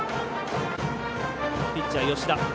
ピッチャー、吉田。